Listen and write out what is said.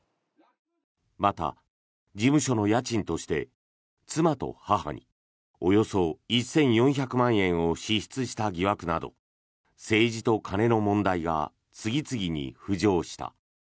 また、事務所の家賃として妻と母におよそ１４００万円を支出した疑惑など政治と金の問題が次々に浮上した。